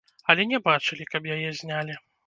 Але не бачылі, каб яе знялі.